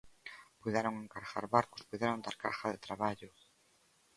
Puideron encargar barcos, puideron dar carga de traballo.